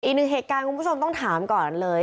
อีกหนึ่งเหตุการณ์คุณผู้ชมต้องถามก่อนเลย